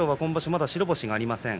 まだ白星がありません。